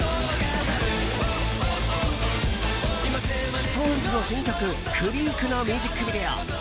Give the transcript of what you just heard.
ＳｉｘＴＯＮＥＳの新曲「ＣＲＥＡＫ」のミュージックビデオ。